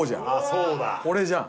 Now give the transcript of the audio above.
そうだこれじゃん？